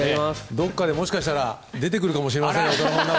どこかでもしかしたら出てくるかもしれませんよ。